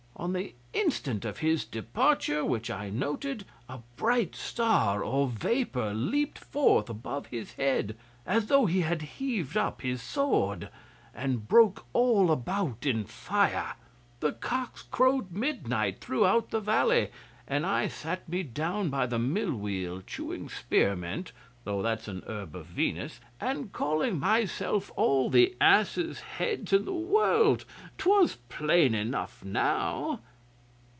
On the instant of his departure, which I noted, a bright star or vapour leaped forth above his head (as though he had heaved up his sword), and broke all about in fire. The cocks crowed midnight through the valley, and I sat me down by the mill wheel, chewing spearmint (though that's an herb of Venus), and calling myself all the asses' heads in the world! 'Twas plain enough now!